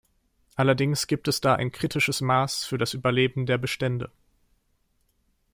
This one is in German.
Allerdings gibt es da ein kritisches Maß für das Überleben der Bestände.